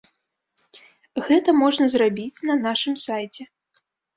Гэта можна зрабіць на нашым сайце.